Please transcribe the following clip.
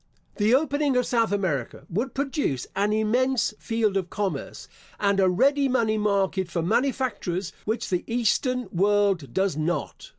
The opening of South America would produce an immense field of commerce, and a ready money market for manufactures, which the eastern world does not.